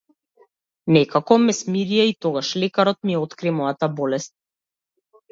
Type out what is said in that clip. Некако ме смирија и тогаш лекарот ми ја откри мојата болест.